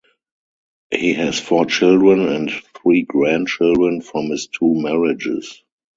He has four children and three grandchildren from his two marriages.